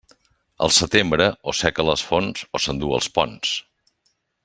El setembre, o seca les fonts o s'enduu els ponts.